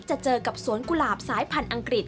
จะเจอกับสวนกุหลาบสายพันธุ์อังกฤษ